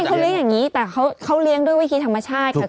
เขาเลี้ยงอย่างนี้แต่เขาเลี้ยงด้วยวิธีธรรมชาติค่ะ